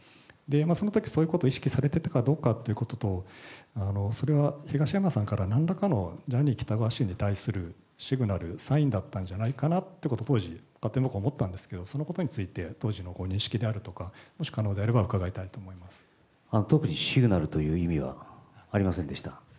そのとき、そういうことを意識されてたかどうかということと、それは東山さんからなんらかのジャニー喜多川氏に対するシグナル、サインだったんじゃないかなということを当時、勝手に僕は思ったんですけど、そのことについて、当時のご認識であるとか、もし可特にシグナルという意味はありませんでした。